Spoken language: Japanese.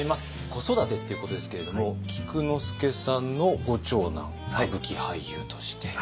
子育てっていうことですけれども菊之助さんのご長男歌舞伎俳優として。